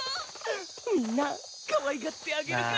みんなかわいがってあげるからね！